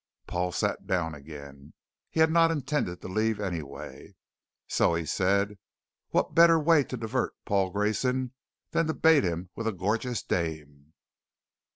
Paul sat down again. He had not intended to leave anyway. "So," he said, "what better way to divert Paul Grayson than to bait him with a gorgeous dame?"